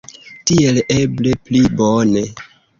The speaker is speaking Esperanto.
Tiel eble pli bone.